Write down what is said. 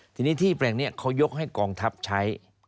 ทีนี้ที่แปลงนี้เขายกให้กองทัพใช้